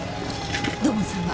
土門さんは？